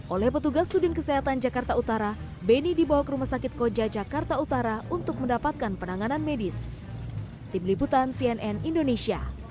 oleh petugas sudin kesehatan jakarta utara beni dibawa ke rumah sakit koja jakarta utara untuk mendapatkan penanganan medis